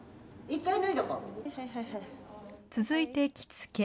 いっ続いて着付け。